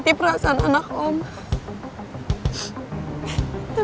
tapi kamu tidak bisa